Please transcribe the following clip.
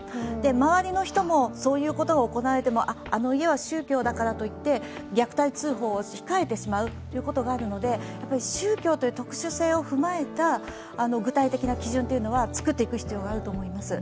周りの人も、そういうことが行われていてもあの家は宗教だからといって虐待通報を控えてしまうということがあるので宗教という特殊性を踏まえた具体的な基準は作っていく必要があると思います。